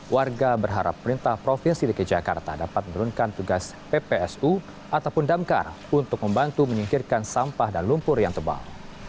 warga berharap perintah provinsi dg jakarta dapat menurunkan tugas ppsu ataupun damkar untuk membantu menyingkirkan sampah dan lumpur yang tebal